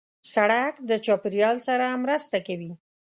سړک د چاپېریال سره مرسته کوي.